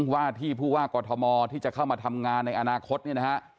ว่าที่ผู้ว่ากอทมที่จะเข้ามาทำงานในอนาคตเนี่ยนะฮะ